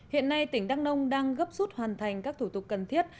hiện nay tỉnh đắk nông đang gấp rút hoàn thành các thủ tục cần thiết